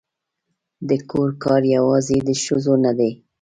د کور کار یوازې د ښځو نه دی